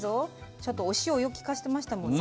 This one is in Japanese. ちゃんとお塩をよくきかしてましたもんね。